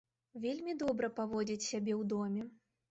Вельмі добра паводзіць сябе ў доме.